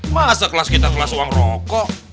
masa kelas kita kelas uang rokok